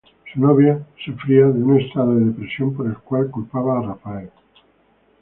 Su novia sufría de un estado de depresión, por lo cual culpaba a Rafael.